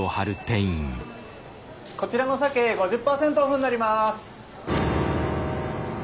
こちらの鮭５０％オフになります。